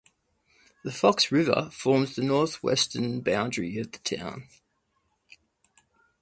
The Fox River forms the northwestern boundary of the town.